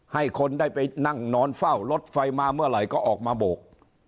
ให้คนได้ไปนั่งนอนเฝ้ารถไฟมาเมื่อไหร่ก็ออกมาโบก